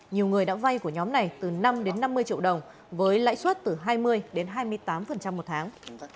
nhiều người đã vay của nhóm này từ năm đến năm mươi triệu đồng với lãi suất từ hai mươi đến hai mươi tám một tháng